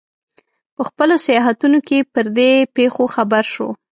په خپلو سیاحتونو کې پر دې پېښو خبر شو.